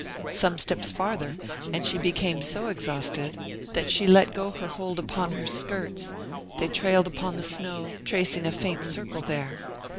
Some steps farther, and she became so exhausted that she let go her hold upon her skirts; they trailed upon the snow, tracing a faint circle there.